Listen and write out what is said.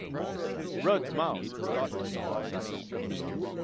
Rudd's Mouse is thought to be nocturnal.